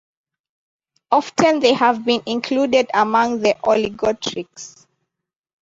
Often they have been included among the oligotrichs.